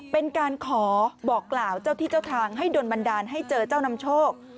เป็นการขอบอกกล่าวเจ้าที่เจ้าทางให้โดนบันดาลให้เจอเจ้านำโชค